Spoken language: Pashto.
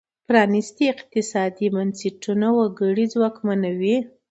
پرانیستي اقتصادي بنسټونه وګړي ځواکمنوي.